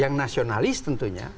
yang nasionalis tentunya